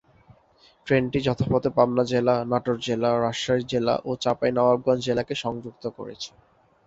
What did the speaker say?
ট্রেনটি যাত্রাপথে পাবনা জেলা, নাটোর জেলা, রাজশাহী জেলা ও চাঁপাইনবাবগঞ্জ জেলাকে সংযুক্ত করেছে।